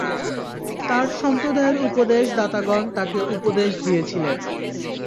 তার সম্প্রদায়ের উপদেশ দাতাগণ তাকে উপদেশ দিয়েছিলেন।